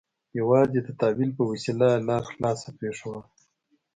یوازې د تأویل په وسیله یې لاره خلاصه پرېښوده.